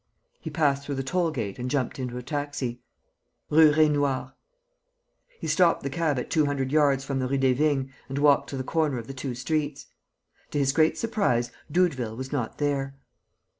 He passed through the toll gate and jumped into a taxi: "Rue Raynouard." He stopped the cab at two hundred yards from the Rue des Vignes and walked to the corner of the two streets. To his great surprise, Doudeville was not there.